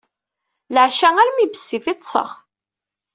Leɛca, armi bessif i ṭṭseɣ.